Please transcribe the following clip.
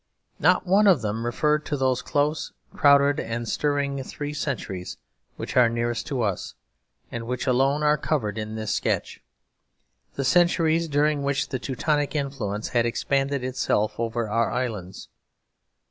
Not one of them referred to those close, crowded, and stirring three centuries which are nearest to us, and which alone are covered in this sketch, the centuries during which the Teutonic influence had expanded itself over our islands.